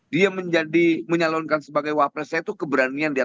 dia menjadi menyalurkan sebagai wafat saya tuh keberanian di atas